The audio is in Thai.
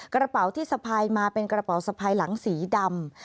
กระเป๋าที่สะพายมาเป็นกระเป๋าสะพายหลังสีดำ